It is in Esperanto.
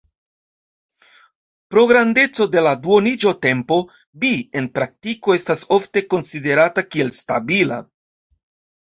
Pro grandeco de la duoniĝotempo, Bi en praktiko estas ofte konsiderata kiel stabila.